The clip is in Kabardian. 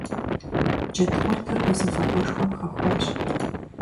Джэдкъуртыр гузэвэгъуэшхуэм хэхуащ.